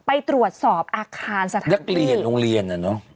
ไปตรวจสอบอาคารสถานกรีย์ยักษ์เกรียดโรงเรียนเนี่ยเนอะ